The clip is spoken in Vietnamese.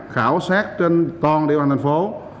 khảo sát trên toàn địa bàn thành phố